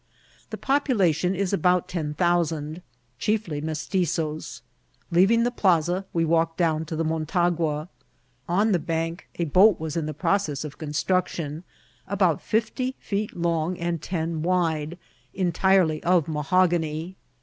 The popu* lation is about ten thousand, chiefly Mestitzoes. Leav* hug the plaza, we walked down to the Motagua. On Ae bank a boat was in process of construction, about fifty feet long and ten wide, entirely of mahogany.